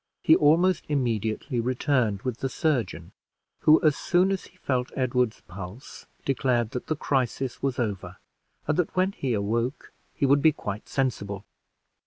He almost immediately returned with the surgeon, who, as soon as he felt Edward's pulse, declared that the crisis was over, and that when he awoke he would be quite sensible.